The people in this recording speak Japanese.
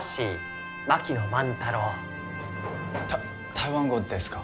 台湾語ですか？